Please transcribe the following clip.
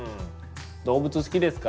動物好きですか？